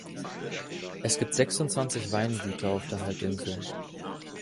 Es gibt sechsundzwanzig Weingüter auf der Halbinsel.